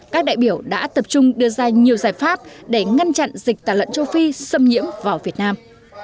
các đại biểu đã tập trung đưa ra nhiều giải pháp để ngăn chặn dịch tả lợn châu phi xâm nhiễm vào việt nam